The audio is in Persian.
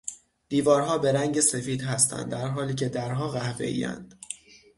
دیوارها به رنگ سفید هستند درحالیکه درها قهوهایاند.